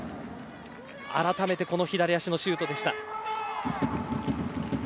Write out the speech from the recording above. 改めて、左足のシュートでした。